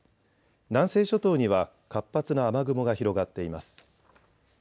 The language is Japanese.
南西諸島には活発な雨雲が広がっています。